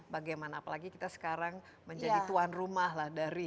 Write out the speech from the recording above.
bagaimana apalagi kita sekarang menjadi tuan rumah lah dari